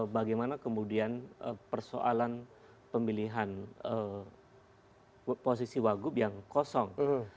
bagaimana kemudian persoalan pemilihan posisi wagub yang kosong